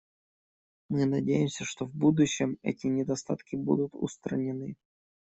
Мы надеемся, что в будущем эти недостатки будут устранены.